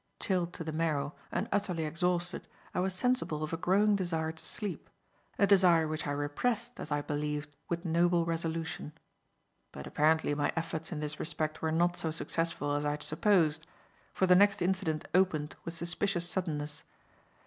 Chilled to the marrow and utterly exhausted, I was sensible of a growing desire to sleep; a desire which I repressed, as I believed, with noble resolution. But apparently my efforts in this respect were not so successful as I had supposed, for the next incident opened with suspicious suddenness.